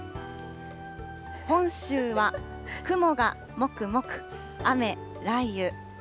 本州は雲がもくもく雨・雷雨。